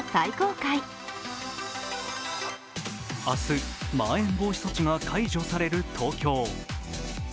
明日、まん延防止措置が解除される東京。